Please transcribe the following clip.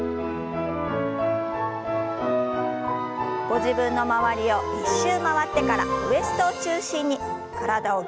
ご自分の周りを１周回ってからウエストを中心に体をぎゅっとねじります。